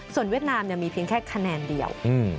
เวียดนามมีเพียงแค่คะแนนเดียว